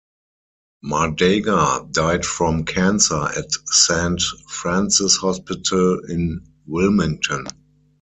Mardaga died from cancer at Saint Francis Hospital in Wilmington.